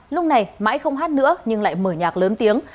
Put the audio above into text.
lúc này mãi không hát nữa nhưng lại mở nhạc lớn tiếng